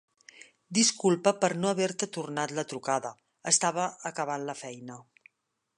Disculpa per no haver-te tornat la trucada. Estava acabant la feina.